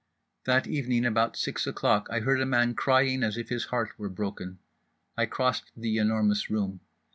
That evening, about six o'clock, I heard a man crying as if his heart were broken. I crossed The Enormous Room.